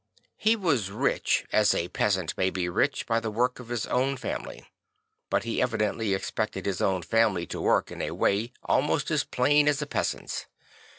He was rich, as a peasant may be rich by the work of his O\vn family; but he evidently expected his own family to work in a way almost as plain as a peasant's.